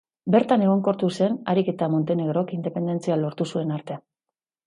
Bertan egonkortu zen harik eta Montenegrok independentzia lortu zuen arte.